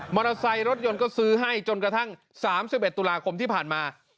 ไซค์รถยนต์ก็ซื้อให้จนกระทั่ง๓๑ตุลาคมที่ผ่านมา